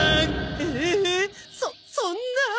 ええっそそんな。